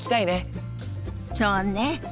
そうね。